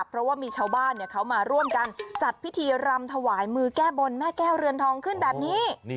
เพราะว่ามีชาวบ้านเขามาร่วมกันจัดพิธีรำถวายมือแก้บนแม่แก้วเรือนทองขึ้นแบบนี้